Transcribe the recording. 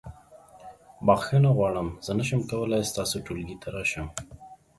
بخښنه غواړم زه نشم کولی ستاسو ټولګي ته راشم.